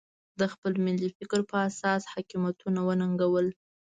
د خپل ملي فکر په اساس حاکمیتونه وننګول.